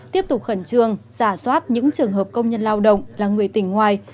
tiếp tục khẩn trương giả soát những trường hợp công nhân lao động là người tỉnh ngoài